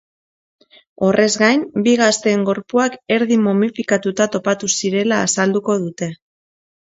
Horrez gain, bi gazteen gorpuak erdi momifikatuta topatu zirela azalduko dute.